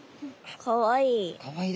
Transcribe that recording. かわいい。